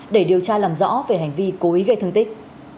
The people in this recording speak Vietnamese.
để điều tra làm rõ về hành vi cố ý gây thương tích